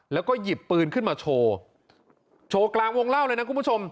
แล้วก็หยิบปืนขึ้นมาโชว์โชว์กลางวงเล่าเลยนะคุณผู้ชม